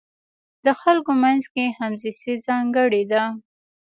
د خلکو منځ کې همزیستي ځانګړې ده.